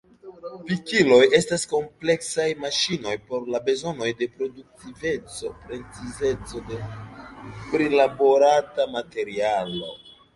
Pikiloj estas kompleksaj maŝinoj por la bezonoj de produktiveco, precizeco de prilaborata materialo.